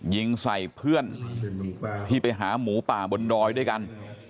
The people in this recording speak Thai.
ยิงใส่เพื่อนที่ไปหาหมูป่าบนดอยด้วยกัน